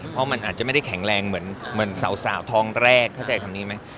เพราะมันอาจจะไม่ได้แข็งแรงเหมือนสาวท้องแรกเข้าใจคำนี้ไหม